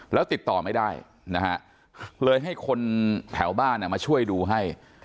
แล้วติดต่อไม่ได้นะฮะเลยให้คนแถวบ้านมาช่วยดูให้